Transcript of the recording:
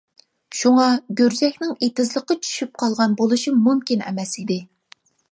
شۇڭا گۈرجەكنىڭ ئېتىزلىققا چۈشۈپ قالغان بولۇشى مۇمكىن ئەمەس ئىدى.